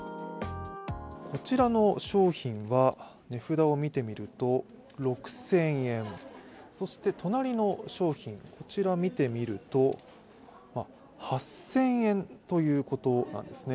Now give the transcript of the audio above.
こちらの商品は値札を見てみると６０００円、そして隣の商品、こちら見てみると８０００円ということなんですね